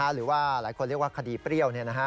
หรือว่าหลายคนเรียกว่าคดีเปรี้ยว